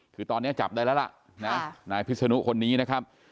คือตอนนี้จับได้แล้วล่ะนะนายพิศนุคนนี้นะครับ